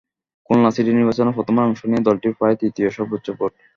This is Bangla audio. খুলনা সিটির নির্বাচনে প্রথমবার অংশ নিয়ে দলটি পায় তৃতীয় সর্বোচ্চ ভোট।